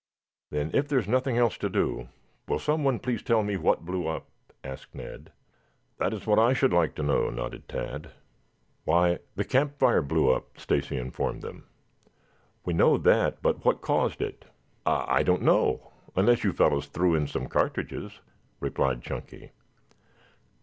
"Then if there's nothing else to do will someone please tell me what blew up?" asked Ned. "That is what I should like to know," nodded Tad. "Why, the campfire blew up," Stacy informed them. "We know that, but what caused it?" "I I don't know unless you fellows threw in some cartridges," replied Chunky.